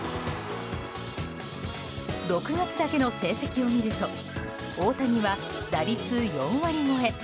６月だけの成績を見ると大谷は打率４割超え。